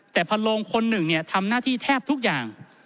แต่พอลงคนหนึ่งทำหน้าที่แทบทุกอย่าง